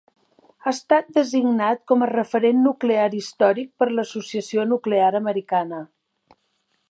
Ha estat designat com a referent nuclear històric per l'Associació Nuclear Americana.